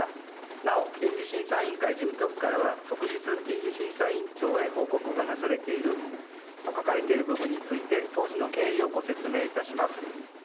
なお、倫理審査委員会事務局からは即日、倫理審査委員長へ報告がなされていると書かれている部分について、当時の経緯をご説明いたします。